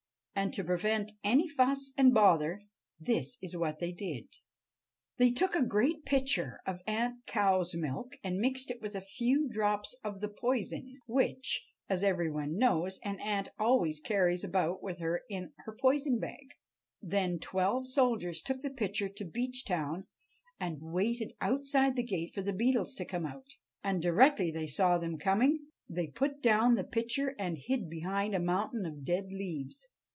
And to prevent any fuss and bother, this is what they did: They took a great pitcher of ant cow's milk and mixed with it a few drops of the poison, which, as every one knows, an ant always carries about with her in her poison bag. Then twelve soldiers took the pitcher to Beechtown and waited outside the gate for the Beetles to come out. And directly they saw them coming they put down the pitcher and hid behind a mountain of dead leaves.